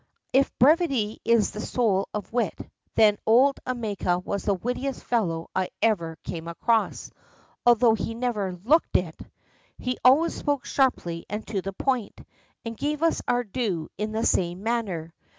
If brevity is the soul of wit, then old Omega was the wittiest fellow I ever came across, although he never looked it. He always spoke sharply and to the point, and gave us our due in the same manner.